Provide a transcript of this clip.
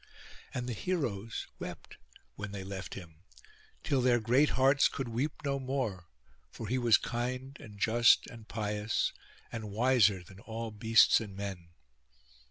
And the heroes wept when they left him, till their great hearts could weep no more; for he was kind and just and pious, and wiser than all beasts and men.